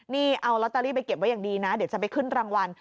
นี่เอาลอตเตอรี่ไปเก็บไว้อย่างดีนะเดี๋ยวจะไปขึ้นรางวัล